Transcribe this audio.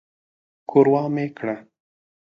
ښوروا مې کړه.